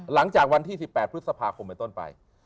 หลังจากวันที่๑๘พฤษภาคมเป็นต้นไป